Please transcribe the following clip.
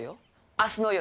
明日の夜